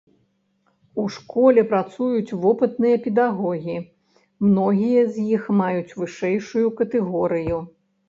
У школе працуюць вопытныя педагогі, многія з якіх маюць вышэйшую катэгорыю.